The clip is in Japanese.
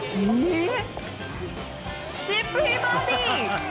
チップインバーディー！